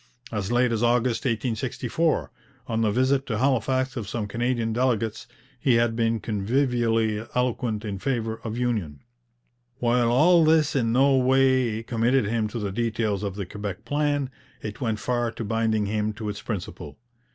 As late as August 1864, on the visit to Halifax of some Canadian delegates, he had been convivially eloquent in favour of union. While all this in no way committed him to the details of the Quebec plan, it went far to binding him to its principle.